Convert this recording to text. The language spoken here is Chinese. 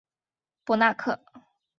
博纳克。